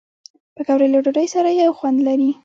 پکورې له ډوډۍ سره یو خوند لري